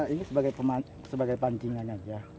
ini sebagai pancingan aja